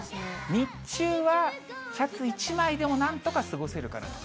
日中はシャツ１枚でもなんとか過ごせるかなと。